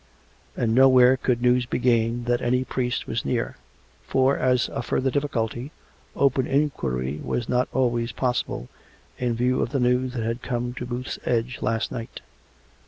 And nowhere could news be gained that any priest was near; for, as a further difficulty, open inquiry was not always possible, in view of the news that had come to Booth's Edge last night.